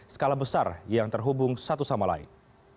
skala besar yang terhubung satu sama lain